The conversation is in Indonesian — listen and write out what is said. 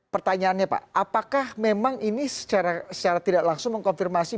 pertanyaannya pak apakah memang ini secara tidak langsung mengkonfirmasi